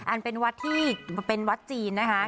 อันเป็นวัดที่เป็นวัดจีนนะคะ